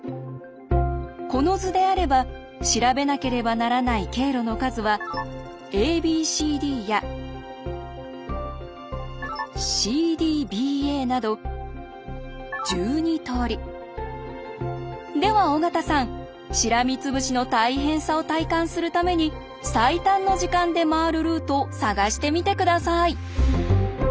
この図であれば調べなければならない経路の数はＡＢＣＤやＣＤＢＡなどでは尾形さんしらみつぶしの大変さを体感するために最短の時間で回るルートを探してみて下さい。